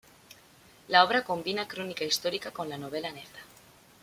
La obra combina la crónica histórica con la novela negra.